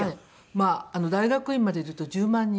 まあ大学院まで入れると１０万人。